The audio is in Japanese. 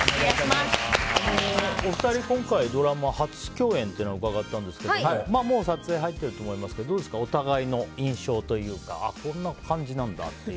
お二人今回ドラマ初共演と伺ったんですがもう撮影入ってると思いますけどどうですかお互いの印象というかこんな感じなんだっていう。